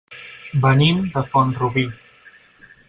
Venim de Font-rubí.